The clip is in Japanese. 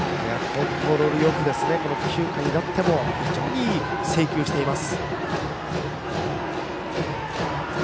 コントロールよく９回になっても非常にいい制球をしています。